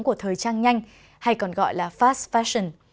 của thời trang nhanh hay còn gọi là fast fashion